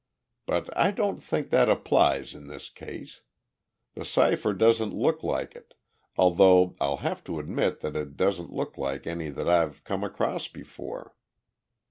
But I don't think that applies in this case. The cipher doesn't look like it though I'll have to admit that it doesn't look like any that I've come across before.